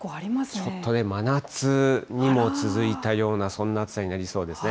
ちょっとね、真夏にも続いたような、そんな暑さになりそうですね。